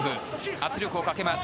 圧力をかけます。